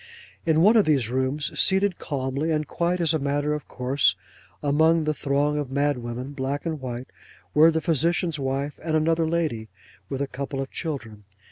In one of these rooms, seated, calmly, and quite as a matter of course, among a throng of mad women, black and white, were the physician's wife and another lady, with a couple of children.